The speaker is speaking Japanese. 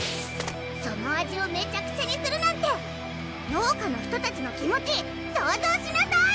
その味をめちゃくちゃにするなんて農家の人たちの気持ち想像しなさい！